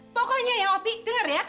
pokoknya ya opi denger ya